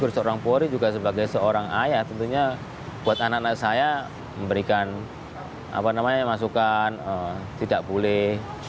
seorang polri juga sebagai seorang ayah tentunya buat anak anak saya memberikan masukan tidak boleh